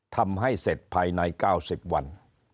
ทำให้เสร็จภายใน๙๐วัน